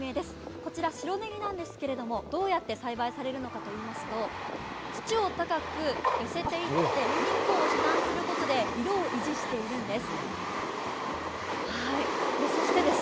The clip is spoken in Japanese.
こちら白ねぎなんですけど、どうやって栽培されるのかといいますと土を高く寄せていって日光を遮断することで色を維持しているんです。